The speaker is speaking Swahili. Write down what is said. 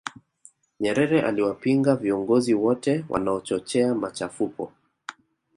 nyerere aliwapinga viongozi wote wanaochochea machafuko